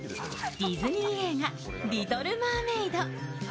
ディズニー映画「リトル・マーメイド」